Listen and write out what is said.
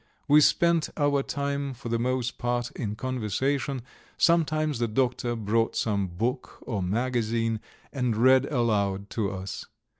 We spent our time for the most part in conversation; sometimes the doctor brought some book or magazine and read aloud to us.